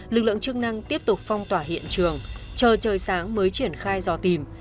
lực lượng chức năng tiếp tục phong tỏa hiện trường chờ trời sáng mới triển khai dò tìm